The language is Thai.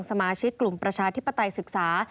สมาชิกกลุ่มประชาธิปไตยศึกษา